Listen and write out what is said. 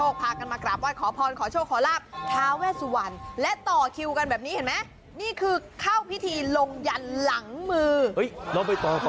เขาพากันมาลงยันหลังมือกับ